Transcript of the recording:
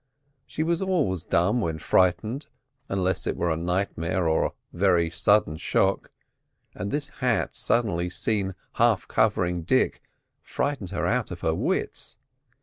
She was always dumb when frightened (unless it were a nightmare or a very sudden shock), and this hat suddenly seen half covering Dick frightened her out of her wits.